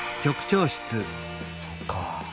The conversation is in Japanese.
そっか。